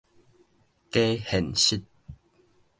加現實